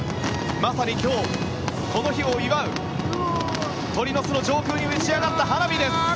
まさに今日、この日を祝う鳥の巣の上空に打ち上がった花火です。